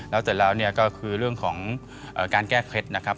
แล้วเสร็จแล้วเนี่ยก็คือเรื่องของการแก้เคล็ดนะครับ